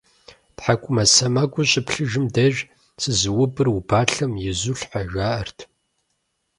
ТхьэкӀумэ сэмэгур щыплъым деж «Сызыубыр убалъэм изулъхьэ», жаӀэрт.